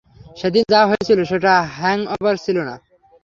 সেদিন যা হয়েছিল সেটা হ্যাংওভার ছিল না।